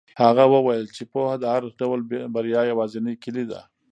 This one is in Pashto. هغه وویل چې پوهه د هر ډول بریا یوازینۍ کیلي ده.